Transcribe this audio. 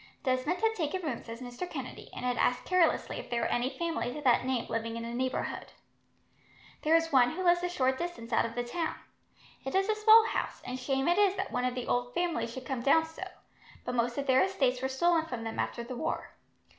Desmond had taken rooms as Mr. Kennedy, and had asked carelessly if there were any families of that name living in the neighbourhood. "There is one who lives a short distance out of the town. It is a small house, and shame it is that one of the old family should come down so; but most of their estates were stolen from them after the war.